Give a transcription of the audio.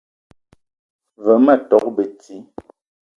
Ve ma tok beti